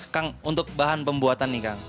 kang untuk bahan pembuatan nih kang